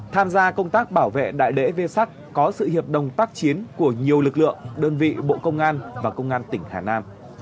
tham gia công tác bảo vệ đại lễ vê sắc có sự hiệp đồng tác chiến của nhiều lực lượng đơn vị bộ công an và công an tỉnh hà nam